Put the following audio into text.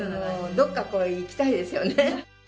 どっか行きたいですよね。